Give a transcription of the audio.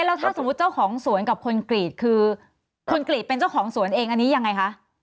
แล้วถ้าสมมุติเจ้าของสวนกับคนกรีดคือคุณกรีดเป็นเจ้าของสวนเองอันนี้ยังไงคะ